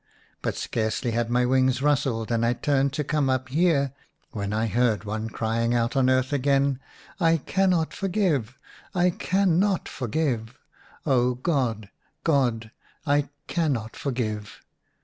But scarcely had my wings rustled and I turned to come up here, when I heard one crying out on earth again, ' I cannot forgive ! I cannot forgive ! Oh, God, God, I cannot forgive